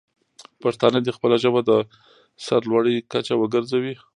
پښتانه دې خپله ژبه د سر لوړۍ کچه وګرځوي.